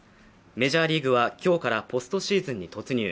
メジャーリーグは今日からポストシーズンに突入。